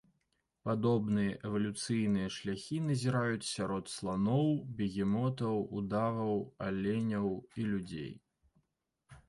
Падобныя эвалюцыйныя шляхі назіраюць сярод сланоў, бегемотаў, удаваў, аленяў і людзей.